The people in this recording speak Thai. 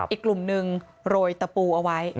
อีกกลุ่มนึงโรยตะปูเอาไว้